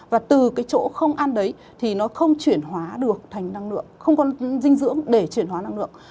và từ cái chỗ không ăn đấy thì nó không chuyển hóa được thành năng lượng không có dinh dưỡng để chuyển hóa năng lượng